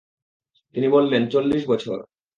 তিনি বললেন, চল্লিশ বছর।